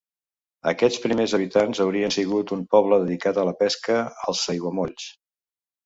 Aquests primers habitants haurien sigut un poble dedicat a la pesca als aiguamolls.